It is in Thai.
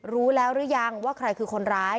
รู้แล้วหรือยังว่าใครคือคนร้าย